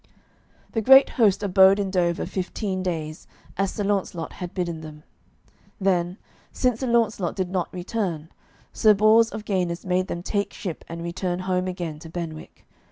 The great host abode in Dover fifteen days, as Sir Launcelot had bidden them. Then, since Sir Launcelot did not return, Sir Bors of Ganis made them take ship and return home again to Benwick.